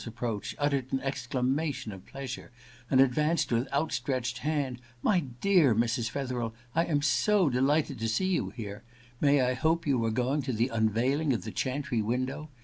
One of the ladies, at Mrs. Fetherel's approach, uttered an exclamation of pleasure and advanced with outstretched hand. 'My dear Mrs. Fetherel ! I am so delighted to see you here. May I hope you are going to the unveiling of the chantry window